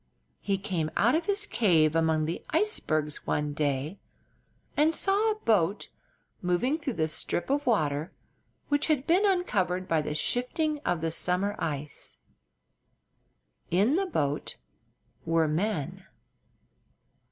He came out of his cave among the icebergs one day and saw a boat moving through the strip of water which had been uncovered by the shifting of the summer ice. In the boat were men.